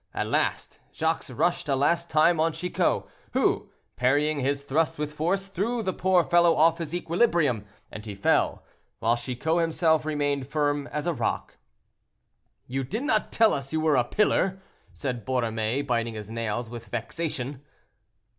At last, Jacques rushed a last time on Chicot, who, parrying his thrust with force, threw the poor fellow off his equilibrium, and he fell, while Chicot himself remained firm as a rock. "You did not tell us you were a pillar," said Borromée, biting his nails with vexation.